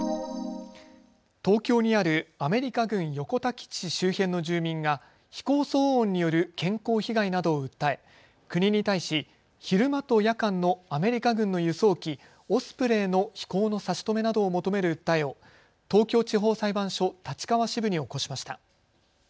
東京にあるアメリカ軍横田基地周辺の住民が飛行騒音による健康被害などを訴え国に対し昼間と夜間のアメリカ軍の輸送機、オスプレイの飛行の差し止めなどを求める訴えを東京地方裁判所立川支部に起こしました。